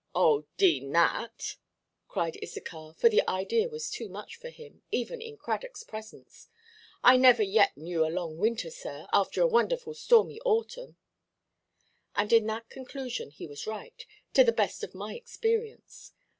"Oh, d—n that!" cried Issachar, for the idea was too much for him, even in Cradockʼs presence; "I never yet knew a long winter, sir, after a wonderful stormy autumn." And in that conclusion he was right, to the best of my experience.